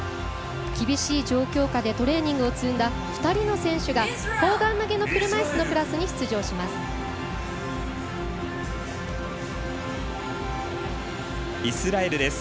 厳しい状況下でトレーニングを積んだ２人の選手が、砲丸投げの車いすのクラスに出場します。